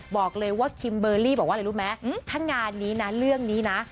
บอกเลยว่าคิมเบอร์รี่บอกว่าอะไรรู้ไหมถ้างานนี้นะเรื่องนี้นะ